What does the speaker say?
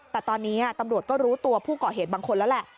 แต่ตอนนี้ตำรวจก็รู้ตัวผู้ก่อเหตุบางคนแล้วแหละ